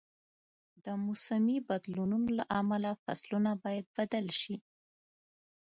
د موسمي بدلونونو له امله فصلونه باید بدل شي.